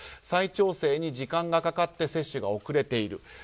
再調整に時間がかかって接種が遅れている。